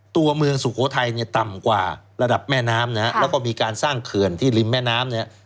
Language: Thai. ตัวเมืองสุโขทัยเนี่ยต่ำกว่าระดับแม่น้ำนะฮะแล้วก็มีการสร้างเขื่อนที่ริมแม่น้ำเนี่ย